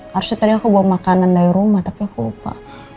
harusnya tadi aku bawa makanan dari rumah tapi aku lupa